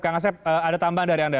kang asep ada tambahan dari anda